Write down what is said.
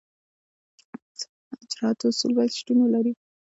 د منصفانه اجراآتو اصول باید شتون ولري.